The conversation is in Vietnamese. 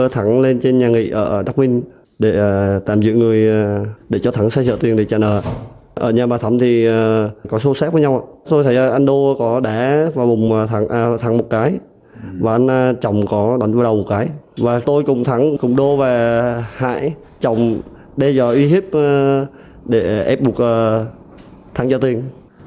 thắng cộng đô và hải trọng đe dọa uy hiếp để ép buộc thắng cho tiền